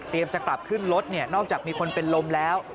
จะกลับขึ้นรถนอกจากมีคนเป็นลมแล้ว